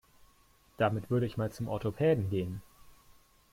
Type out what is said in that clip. Damit würde ich mal zum Orthopäden gehen.